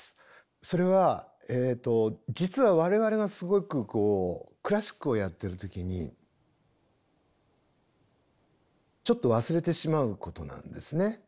それは実は我々がすごくこうクラシックをやってる時にちょっと忘れてしまうことなんですね。